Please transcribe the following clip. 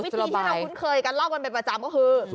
อีกวิธีที่เราคุ้นเคยกันลอกก่อนไปประจำก็คือ